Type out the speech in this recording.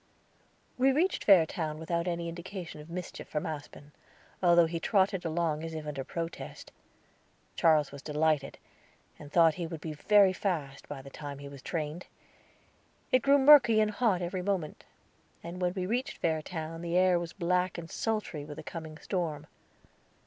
We reached Fairtown without any indication of mischief from Aspen, although he trotted along as if under protest. Charles was delighted, and thought he would be very fast, by the time he was trained. It grew murky and hot every moment, and when we reached Fairtown the air was black and sultry with the coming storm.